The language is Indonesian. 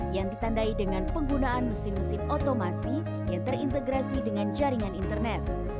yang ditandai dengan penggunaan mesin mesin otomasi yang terintegrasi dengan jaringan internet